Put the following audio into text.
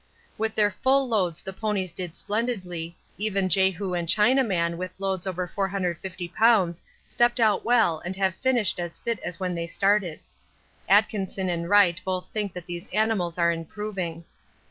With their full loads the ponies did splendidly, even Jehu and Chinaman with loads over 450 lbs. stepped out well and have finished as fit as when they started. Atkinson and Wright both think that these animals are improving.